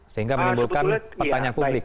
sehingga menimbulkan pertanyaan publik